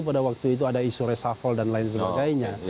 pada waktu itu ada isu resafel dan lain sebagainya